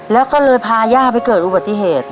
แล้วก็เลยพาย่าไปเกิดอุบัติเหตุ